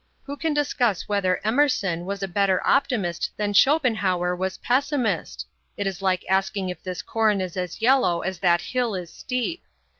Who can discuss whether Emerson was a better optimist than Schopenhauer was pessimist? It is like asking if this corn is as yellow as that hill is steep.